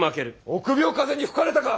臆病風に吹かれたか！